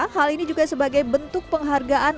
hal ini juga sebagai bentuk penghargaan